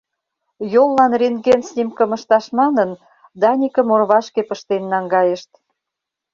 Йоллан рентген снимкым ышташ манын, Даникым орвашке пыштен наҥгайышт.